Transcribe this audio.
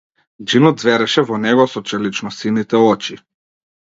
Џинот ѕвереше во него со челичносините очи.